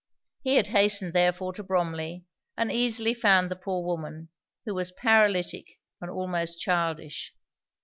He had hastened therefore to Bromley, and easily found the poor woman, who was paralytic and almost childish.